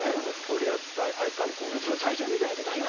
最初に言うたやつ何や？